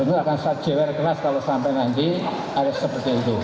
itu akan saya jewer keras kalau sampai nanti harus seperti itu